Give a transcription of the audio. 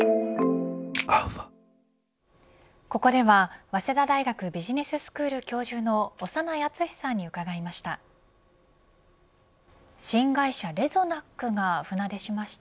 ここでは早稲田大学ビジネススクール教授の長内厚さんに伺いました。